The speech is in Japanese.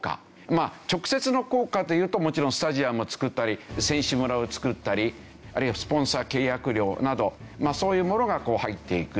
まあ直接の効果というともちろんスタジアムを造ったり選手村を造ったりあるいはスポンサー契約料などまあそういうものが入っていく。